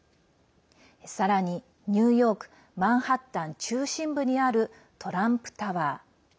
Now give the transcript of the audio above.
さらにニューヨークマンハッタン中心部にあるトランプタワー。